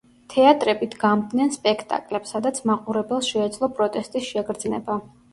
თეატრები დგამდნენ სპექტაკლებს, სადაც მაყურებელს შეეძლო პროტესტის შეგრძნება.